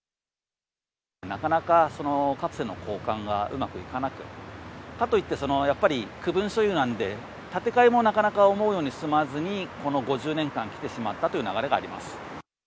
なかなか、そのカプセルの交換がうまくいかなくて、かといってやっぱり、区分所有なんで、建て替えもなかなか思うように進まずに、この５０年間きてしまったという流れがあります。